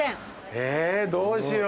えどうしよう。